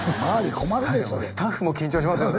困るでそれスタッフも緊張しますよね